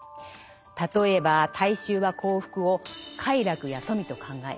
例えば大衆は幸福を「快楽」や「富」と考える。